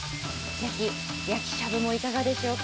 ぜひ、焼きしゃぶもいかがでしょうか。